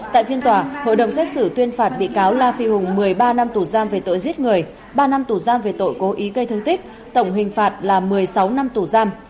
tại phiên tòa hội đồng xét xử tuyên phạt bị cáo la phi hùng một mươi ba năm tù giam về tội giết người ba năm tù giam về tội cố ý gây thương tích tổng hình phạt là một mươi sáu năm tù giam